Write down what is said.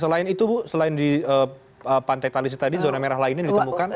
selain itu bu selain di pantai talisi tadi zona merah lainnya ditemukan